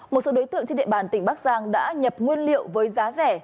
một số đối tượng trên địa bàn tỉnh bắc giang đã nhập nguyên liệu với giá rẻ